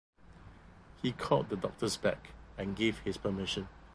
He called the doctors back and gave his permission.